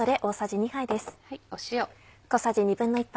塩。